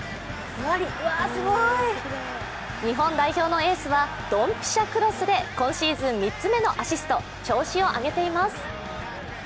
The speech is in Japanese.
日本代表のエースはドンピシャクロスで今シーズン３つ目のアシスト調子を上げています。